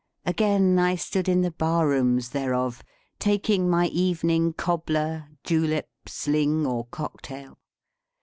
Again I stood in the bar rooms thereof, taking my evening cobbler, julep, sling, or cocktail.